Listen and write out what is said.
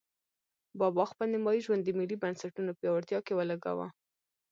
بابا خپل نیمایي ژوند د ملي بنسټونو پیاوړتیا کې ولګاوه.